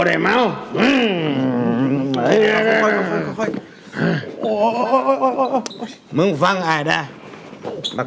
ทุกคนให้มาก